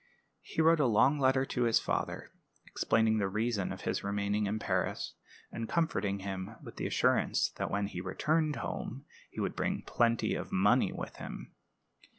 He wrote a long letter to his father, explaining the reason of his remaining in Paris, and comforting him with the assurance that when he returned home he would bring plenty of money with him.